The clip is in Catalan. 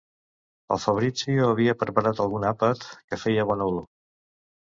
El Fabrizio havia preparat algun àpat que feia bona olor.